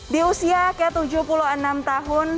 di usia ke tujuh puluh enam tahun